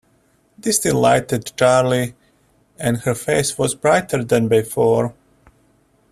This delighted Charley, and her face was brighter than before.